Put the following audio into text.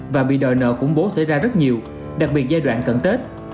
và bị đòi nợ khủng bố xảy ra rất nhiều đặc biệt giai đoạn cận tết